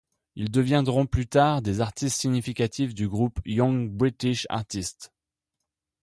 Ils deviendront plus tard des artistes significatifs du groupe Young British Artists.